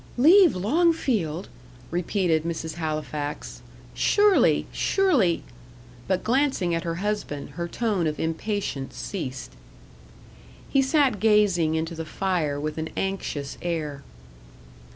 "Leave Longfield!" repeated Mrs. Halifax; "surely surely " But glancing at her husband, her tone of impatience ceased. He sat gazing into the fire with an anxious air.